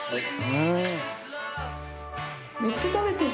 めっちゃ食べてる。